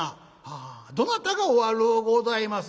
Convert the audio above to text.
「ああどなたがお悪うございます？」。